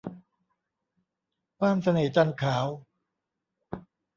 ว่านเสน่ห์จันทร์ขาว